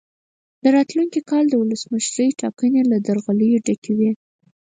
د راتلونکي کال ولسمشرۍ ټاکنې له درغلیو ډکې وې.